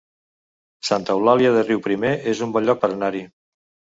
Santa Eulàlia de Riuprimer es un bon lloc per anar-hi